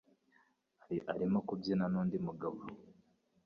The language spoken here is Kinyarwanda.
Arimo kubyina nundi mugabo